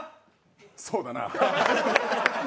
そうだな。